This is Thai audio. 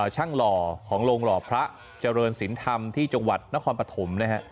หล่อของโรงหล่อพระเจริญศิลป์ธรรมที่จังหวัดนครปฐมนะฮะ